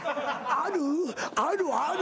あるある。